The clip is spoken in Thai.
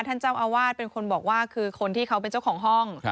ท่านเจ้าอาวาสเป็นคนบอกว่าคือคนที่เขาเป็นเจ้าของห้อง